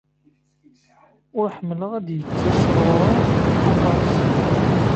Ur ḥemmleɣ ad d-yettas ɣer-i aṭas.